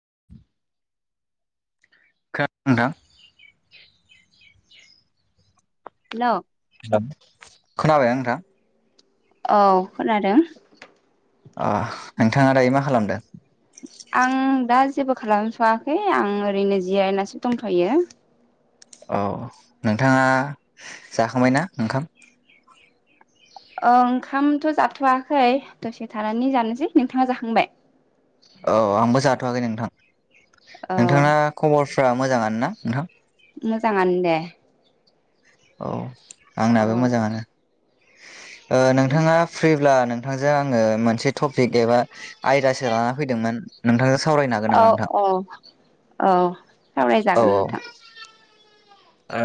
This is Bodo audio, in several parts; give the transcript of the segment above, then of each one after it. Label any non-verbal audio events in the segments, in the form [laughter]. खोनादों नोंथां? हेल' हेलौ खोनाबाय ना‌ नोंथां? औ खोनादों अ नोंथाङा दायो मा खालामदों? आं दा जेबो खालामथ'वाखै आं ओरैनो जिरायनासो दंथ'यो औ नोंथाङा जाखांबायना ओंखाम? औ ओंखामथ' जाथ'वाखै दसे थानानै जानोसै नोंथाङा जाखांबाय? औ आंबो जाथ'वाखै नोंथां औ नोंथांना खबरफ्रा मोजाङानो ना नोंथां? मोजाङानो दे औ औ आंनाबो मोजाङानो नोंथाङा फ्रिब्ला नोंथांजों आङो मोनसे टपिक एबा आयदासो लाना फैदोंमोन नोंथांजों सावरायनो हागोन औ नामा नोंथां? औ औ औ सावरायजागोन नोंथां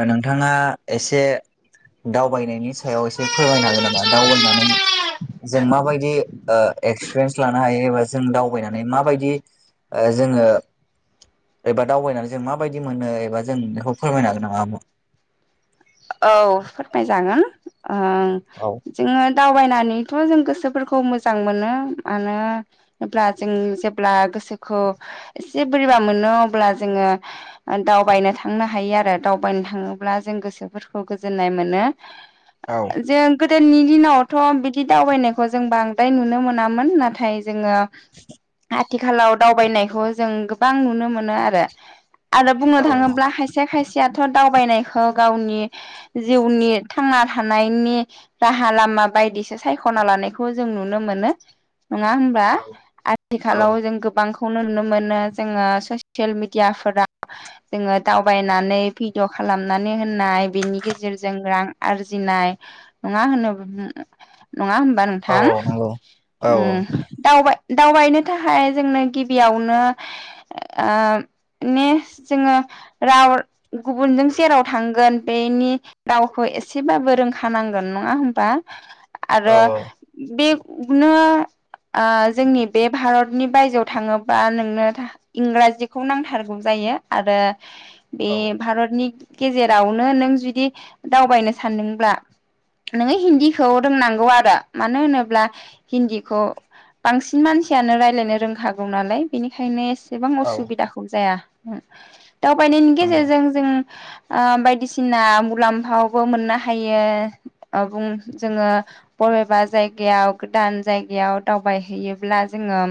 नोंथाङा एसे दावबायनायनि सायाव एसे फोरमायनो हागोन नामा दावबायनानै जों माबायदि ओ एक्सपिरियेन्स लानो हायो एबा जों दावबायनानै माबायदि? ओ जोङो एबा दावबायनानै जों माबायदि मोनो एबा जों बेखौ फोरमायनो हागोन नाम [unintelligible] औ फोरमायजागोन ओं औ जोङो दावबायनानैथ' जों गोसो गोसोफोरखौ मोजां मोनो मानो होनब्ला जों जेब्ला गोसोखौ एसे बोरैबा मोनो अब्ला जोङो दावबायनो थांनो हायो आरो दावबायनो थाङोब्ला जों गोसोफोरखौ गोजोननाय मोनो औ जों गोदोनि दिनावथ' बिदि दावबायनायखौ जों बांद्राय नुनो मोनामोन नाथाय जोङो आथिखालाव दावबायनायखौ जों गोबां नुनो मोनो आरो आरो बुंनो औ थाङोब्ला खायसे खायसेयाथ' दावबायनायखौ गावनि जिउनि थांना थानायनि राहा लामा बायदिसो सायख'ना लानायखौ जों नुनो मोनो नङा होनबा आथिखालाव औ जों गोबांखौ खौ नुनो मोनो जोङो ससियेल मिडियाफोरा जोङो दावबायनानै भिडिअ खालामनानै होनाय बेनि गेजेरजों रां आरजिनाय नङा होनो नङा होमबा औ नोंथां? नंगौ औ ओम दावबाय दावबायनो थाखाय जोंनो गिबियावनो ओ नेस्ट जोंहा राव गुबुनजों जेराव थांगोन बेनि रावखौ एसेबाबो रोंखानांगोन नङा होमबा औ आरो नंगौ बेनो ओ जोंनि बे भारतनि बायजोआव थाङोबा नोंनो इंराजिखौ नांथारगौ जायो आरो बे भारतनि गेजेरावनो नो नों जुदि दावबायनो सानदोंब्ला नोङो हिन्दीखौ रोंनांगौ आरो मानो होनोब्ला हिन्दीखौ बांसिन मानसियानो रायलायनो रोंखागौ नालाय बेनिखायनो एसेबां औ असुबिदाखौ जाया दावबायनायनि गेजेरजों जों ओ बायदि सिना मुलाम्फायावबो मोननो हायो बुं जोङो बबेबा जाय गोदान जायगायाव दावबाय हैैयोब्ला जोङो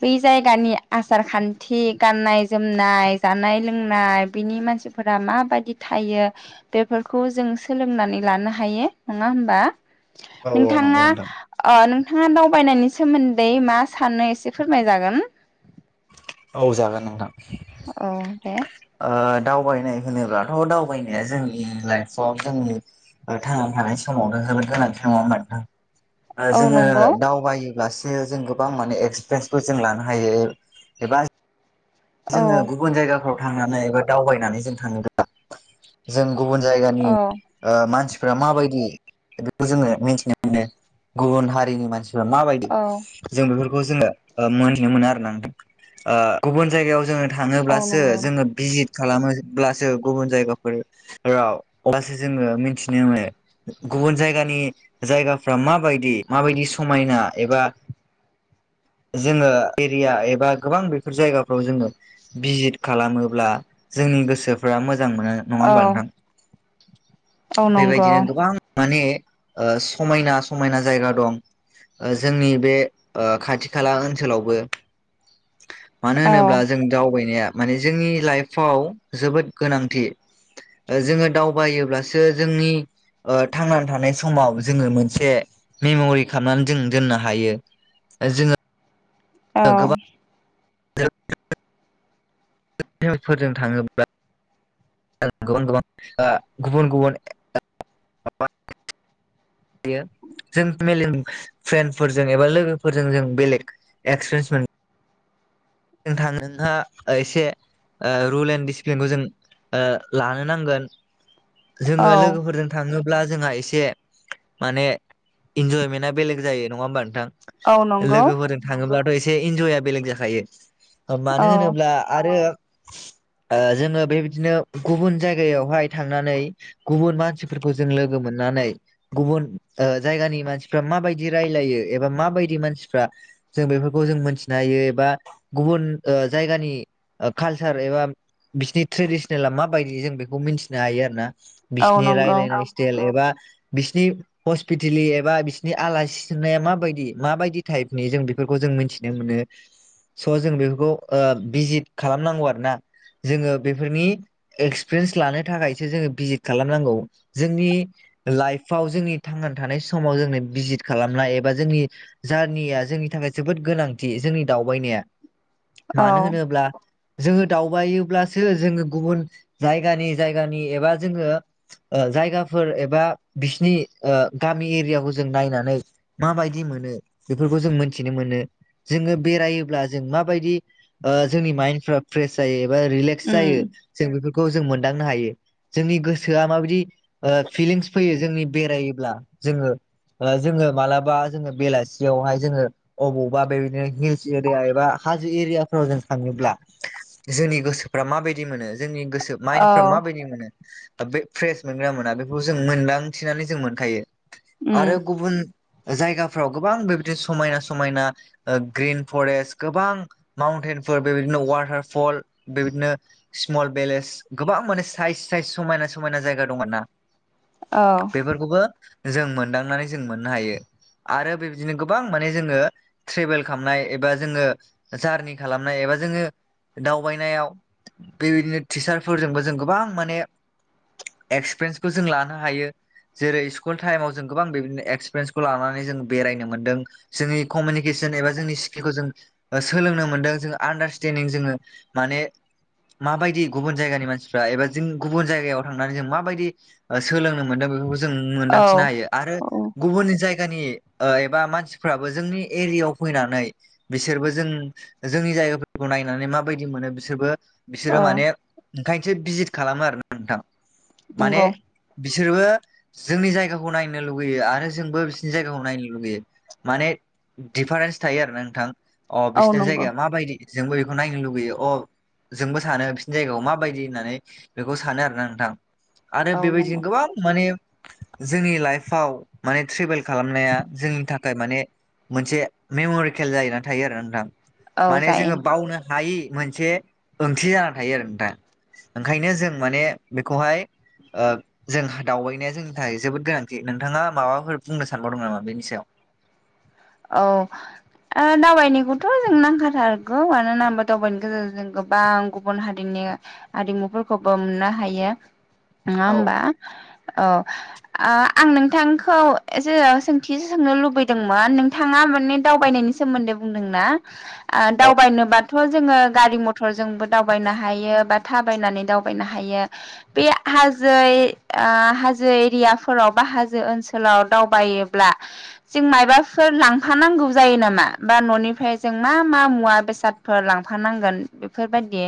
बै जायगानि आसार खान्थि गाननाय जोमनाय जानाय लोंनाय बिनि मानसिफोरा माबायदि थायो बेफोरखौ जों सोलोंनानै लानो हायो नङा होमबा औ नंगौ नोंथाङा नोंथां ओ नोंथाङा दावबायनायनि सोमोन्दै मा सानो एसे फोरमायजागोन औ जागोन नोंथां औ दे ओ दावबायनाय होनोब्लाथ दावबायनाया जोंनि लाइफआव जोंनि थांना थानाय समावनो जोबोद गोनांथि नङा होमबा नोंथां औ जोङो नंगौ दावबाय लासे जों गोबां माने एक्सपिरियेन्सबो जों लानो हायो एबा औ जोङो गुबुन जायगाफ्राव थांनानै एबा दावबायनानै जों थाङोब्ला जों गुबुन जायगानि औ ओ मानसि फोरा माबायदि बेखौ जोङो मिथिनो मोनो गुबुन हारिनि मानसि माबायदि औ जों बेफोरखौ जोङो मोनथिनो मोनो आरो ना नोंथां गुबुन जायगायाव जोङो औ थाङोब्लासो नंगौ जोङो भिजित खालामोब्लासो गुबुन जायगाफोराव अब्लासो जोङो मिथिनो मोनो गुबुन जायगानि जायगाफ्रा माबायदि माबायदि समायना एबा जोङो एरिया एबा गोबां बेफोर जायगा फोराव जोङो भिट खालामोब्ला जोंनि गोसोफ्रा मो जां मोनो नङा औ ओमबा नोंथां औ नंगौ बेबायदिनो गोबां माने समायना समायना जायगा दं ओ जोंनि बे ओ खाथि खाला ओनसोलावबो मानो औ होनोब्ला जों दावबायनाया माने जोंनि लाइफाव जोबोद गोनांथि ओ जोङो दावबायोब्लासो जोंनि ओ थांनानै थानाय समाव जोङो मोनसे मेमरि खालामनानै जों दोननो हायो जोङो अ गोबां [unintelligible] [unintelligible] फोरजों थाङोब्ला गुबुन गुबुन [unintelligible] गुबुन गुबुन [unintelligible] बियो जों मेलेम फ्रेन्डफोरजों एबा लोगोफोरजों जों बेलेग एक्सपिरियेन्स मोन नोंथां नोंहा एसे रुल एन्ड डिसिप्लिनखौ जों ओ लानो नांगोन औ जोङो लोगोफोरजों थाङो ब्ला जोंहा एसे माने इन्जयमेन्टआ बेलेग जायो नङा ओमबा औ नोंथां नंगौ लोगोफोरजों थाङोब्लाथ एसे इन्जयआ बेलेग जाखायो औ मानो होनोब्ला आरो ओ जोङो बेबायदिनो गुबुन जायगायावहाय थांनानै गुबुन मानसिफोरखौ जों लोगो मोन नानै गुबुन ओ जायगानि मानसिफ्रा माबायदि रायलायो एबा माबायदि मानसिफ्रा जों बेफोरखौ जों मोनथिनो हायो एबा गुबुन ओ जायगानि कालसार एबा बिसिनि ट्रेडिसनला माबायदि जों बेखौ मिथिनो हायो आरो ना औ बिसिनि नंगौ रायलायनाय स्टेल एबा बिसिनि हस्पितेलि एबा बिसोरनि आलासि सोंनाया माबायदि माबायदि टाइपनि जों बे फोरखौ जों मिथिनो मोनो स' जों बेफोरखौ ओ भिजित खालामनांगौ आरोना जोङो बेफोरनि एक्सपिरियेन्स लानो थाखायसो जोङो भिजिट खालामनांगौ जोंनि लाइफाव जोंनि थांनानै थानाय समाव जोंनो भिजिट खालामनाय एबा जोंनि जारनिया जोंनि नि थाखाय जोबोद गोनांथि जोंनि दावबायनाया औ मानो होनोब्ला जोङो दावबायोब्लासो जोङो गुबुन जायगानि जायगानि एबा जोङो ओ जायगाफोर एबा बिसिनि ओ गामि एरियाखौ जों नायनानै माबायदि मोनो बेफोरखौ जों मोनथिनो मोनो जोङो बेरायोब्ला जों माबायदि ओ जोंनि माइनफोरा‌ फ्रेस जायो एबा रिलेक्स उम जायो जों बेफोरखौ मोन दांनो हायो जोंनि गोसोआ माबायदि ओ फिलिंस फैयो जोंनि बेरायोब्ला जोङो ओ जोङो मालाबा जोङो बेलासियावहाय जोङो अबावबा बेबायदिनो हिल्स एरिया बा हाजो एरियाफोराव जों थाङोब्ला जोंनि गोसोफ्रा माबायदि मोनो जोंनि औ माइन्दफ्रा माबायदि मोनो बे फ्रेस मोनग्रा मोना बेखौ जों मोनदांथिनानै जों मोनखायो उम आरो गुबुन जायगाफ्राव गोबां बेबादिनो समायना समायना ग्रिन फरेस्ट गोबां माउन्टेनफोर बेबायदिनो वाटारफल बेबायदिनो स्मल बेलेज गोबां गोबां माने साइज साइज समायना समायना जायगा दं ना औ बेफोरखौबो जों मोनदांनानै जों मोननो हायो आरो बेबायदिनो गोबां माने जोङो ट्रेभेल खालामनाय एबा जोङो जारनि खालामनाय एबा जोङो दावबायनायाव बेबायदिनो टिचारफोरजोंबो जों गोबां माने एक्सपिरियेन्सखौ जों लानो हायो जेरै स्कुल टाइमाव जों गोबां बेदिनो एक्सपिरियेन्सखौ लानानै जों बेरायनो मोनदों जोंनि कमिनिके जेनेबा जोंनि स्किलखौ जों सोलोंनो मोन्दों जों आडारस्टेडिं जोङो माने माबायदि गुबुन जायगानि मानसिफ्रा एबा जों गुबुन जायगायाव थांनानै जों माबायदि सोलोंनो मोनदों बेफोरखौ जों औ मोनदांथिनो हायो आरो औ गुबुननि जाय गानि एबा मानसिफ्राबो जोंनि एरियायाव फैनानै बिसोरबो जों जों जोंनि जायगाफोरखौ नायनानै माबायदि मोनो बिसोरबो औ बिसोरो माने ओंखायनोसो भिजतट खालामो आरो ना नोंथां माने नंगौ बिसोरबो जोंनि जायगाखौ नायनो लुुबैयो आरो जोंबो बिसोरनि जायगाखौ नायनो लुगैयो माने दिडिफारेन्स थायो आरो नोंथां अ औ बिसनि नंगौ जायगाया माबायदि जोंबो बेखौ नायनो लुुबैयो अ जोंबो सानो बिसनि जायगायाव माबायदि होननानै बेखौ सानो आरो ना नोंथां आरो औ बेबायदिनो नंगौ गोबां माने जोंनि लाइफाव माने ट्रेभेल खालामनाया जोंनि थाखाय माने मोनसे मेमरिकेल जायो ना थायो आरो नोंथां औ माने जायो जोङो बावनो हायि मोनसे ओंथि जाना थायो आरो नोंथां ओंखायनो जों माने बेखौहाय ओ जों दावबायनाया जोंनि थाखाय जोबोद गोनांथि नोंथाङा माबाफोर बुंनो सानबावदों नामा बेनि सायाव? औ दावबायनायखौथ' जों नांखाथारगौ मानोना दावबायनायनि गेजेरजों जों गोबां गुबुन हारिनि आरिमुफोरखौबो मोननो हायो नङा औ होमबा औ आं नोंथांखौ एसे सोंथि सोंनो लुबैदोंमोन नों थाङा माने दावबायनायनि सोमोन्दै बुंदोंना दावबायनोबाथ' जोङो गारि मथर जोंबो दावनो हायो बा थाबायनानै दावनो हायो बे हाजो ओ हाजो एरियाफोराव बा हाजो ओनसोलाव दावबायोब्ला जों मायबा फोर लांफानांगौ जायो नामा बा न'निफ्राय जों मा मा मुवा बेसादफोर लांफानांगोन बेफोरबायदि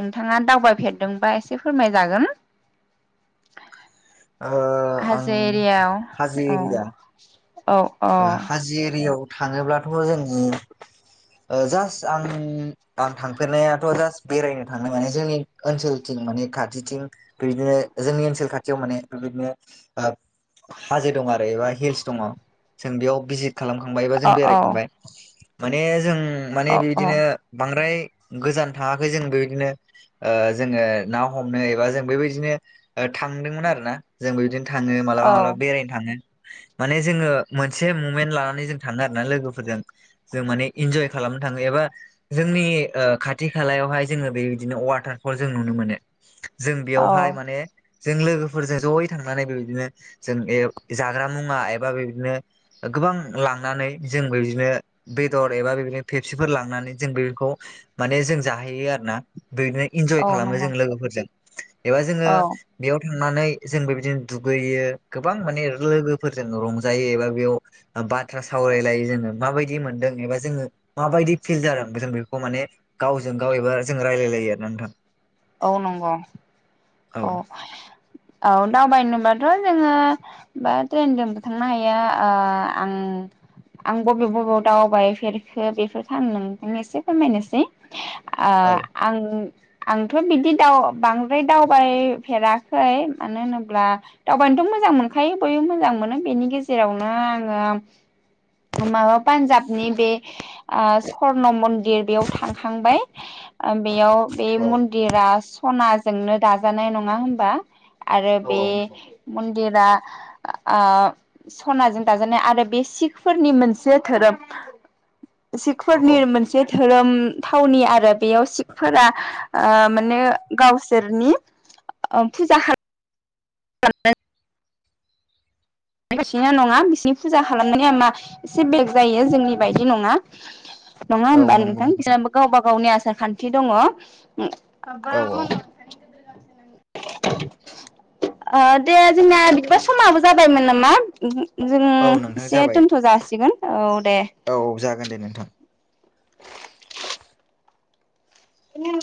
नोंथाङा दावबायफेरदोंबा एसे फोरमायजागोन [inaudible] आं हाजो एरियाव हाजो औ एरिया औ औ बियाव थाङोब्लाथ' जोंनि जास्ट आं आं थांफेरनायाथ' जास्ट बेरायनो थांनाय माने जोंनि ओनसोलथिं माने खाथिथिं बेदिनो जोंनि ओनसोल खाथियाव माने बेबायदिनो हाजो दङ आरो एबा हिल्स दङ जों बेयाव भिजिट खालामखांबाय एबा जों अ औ बेरायखांबाय माने जों माने अ अ बिदिनो बांद्राय गोजान थाङाखै जों बेबायदिनो जोङो ना हमनो एबा जों बेबायदिनो थांदोंमोन आरो ना जोंबो बिदिनो थाङो मालाबा मालाबा बेरायनो थाङो माने जोङो मोनसे ममेन्ट लानानै जों थाङो आरोना लोगोफोरजों जों माने इन्जय खालामनो थाङो एबा जों जोंनि खाथि खालायावहाय जोङो बेबायदिनो वाटारफल जों नुनो मोनो। जों औ बेयावहाय माने जों लोगोफोरजों ज'यै थांनानै बेबायदिनो जों जाग्रा मुवा एबा बेदिनो गोबां लांनानै जों बेदिनो बेदर एबा बेदिनो फेपसिफोर लांनानै जों बेफोरखौ माने जों जाहैयो आरो ना बिदिनो इन्जय औ खालामो नंगौ जों लोगोफोरजों एबा जोङो औ बेयाव थांनानै जोंबो बेबादिनो दुगैयो गोबां माने लोगोफोरजों रंजायो एबा बेयाव बाथ्रा सावरायलायो जोङो माबायदि मोनदों एबा जोङो माबायदि फिल जादों जों बेखौ माने गावजों गाव एबा जों रायलाय लायो आरो ना नोंथां औ नंगौ औ औ दावबायनो बाथ' जोङो बा ट्रेनजोंबो थांनो हायो आं आं बबे बबेयाव दावबायफेरखो बेफोरफोरखौ आं नोंनो एसे फोरमायनोसै ओ औ आं आं थ' बिदि दाव बांद्राय दावबायफेराखै मानो होनोब्ला दावबायनोथ' मोजां मोनो खायो बयबो मोजां मोनो बेनि गेजेरावनो आङो माबा पान्जाबनि बे ओ स्वर्न मन्दिर बेयाव थांखांबाय। बेयाव बे औ मन रा सनाजोंनो दानाय नङा हमबा आरो औ बे मनदिरा ओ सनाजों दाजानाय आरो बे सिखफोरनि मोनसे धोरोम [inaudible] सिखफोरनि औ मोनसे धोरोम थावनि आरो बेयाव सिखफोरा ओ माने गावसोरनि ओ फुजा खालाम [unintelligible] बिसिना नङा बिसिनि फुजा खालामनाया मा एसे बेलेग जायो जोंनि बायदि नङा। नङा औ होमबा नंगौ नोंथां बिसोरबो गावबा गावनि आसार खान्थि दङ। औ औ [unintelligible] दे जोंना बिदिबा समाबो जाबाय। मोन नामा जों औ नोंथां एसे जाबाय दोनथ' जासिगोन औ दे। औ जागोन दे नोंथां बिदि